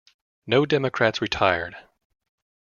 No Democrats retired.